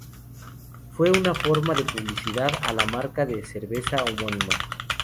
Fue una forma de publicidad a la marca de cerveza homónima.